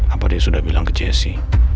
apa dia sudah bilang ke jessi